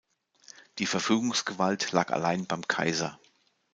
Die Verfügungsgewalt lag allein beim Kaiser.